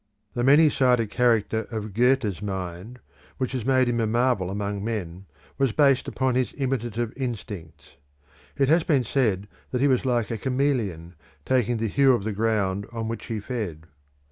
The many sided character of Goethe's mind, which has made him a marvel among men, was based upon his imitative instincts; it has been said that he was like a chameleon, taking the hue of the ground on which he fed.